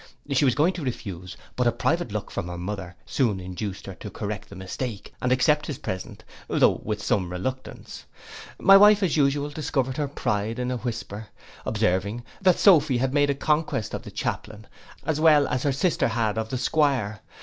She was going to refuse, but a private look from her mother soon induced her to correct the mistake, and accept his present, though with some reluctance. My wife, as usual, discovered her pride in a whisper, observing, that Sophy had made a conquest of the chaplain, as well as her sister had of the 'Squire.